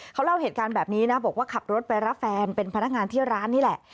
เขาเล่าเหตุการณ์แบบนี้นะบอกว่าขับรถไปรับแฟนเป็นพนักงานที่ร้านนี่แหละ